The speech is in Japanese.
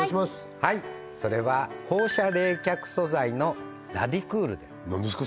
はいそれは放射冷却素材のラディクールです何ですか？